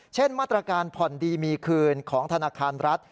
เช่นมาตรการผ่อนดีมีคืนของธนาคารรัฐ